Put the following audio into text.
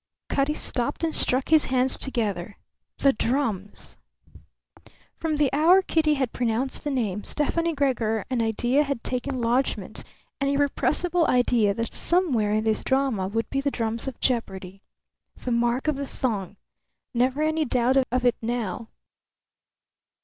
Cutty stopped and struck his hands together. "The drums!" From the hour Kitty had pronounced the name Stefani Gregor an idea had taken lodgment, an irrepressible idea, that somewhere in this drama would be the drums of jeopardy. The mark of the thong! Never any doubt of it now.